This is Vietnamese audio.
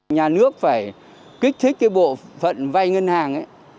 nhà nước phải kích thích cái bộ phận vay ngân hàng ấy